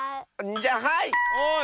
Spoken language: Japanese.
じゃあはい！